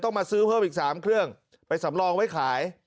มาซื้อเพิ่มอีก๓เครื่องไปสำรองไว้ขาย